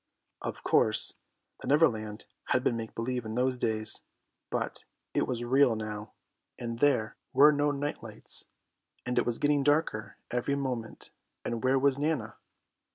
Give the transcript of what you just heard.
Of course the Neverland had been make believe in those days, but it was real now, and there were no night lights, and it was getting darker every moment, and where was Nana?